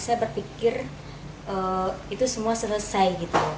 saya berpikir itu semua selesai